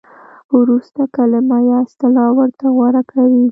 ورسته کلمه یا اصطلاح ورته غوره کوي.